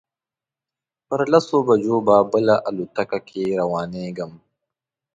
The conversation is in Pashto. پر لسو بجو به بله الوتکه کې روانېږم.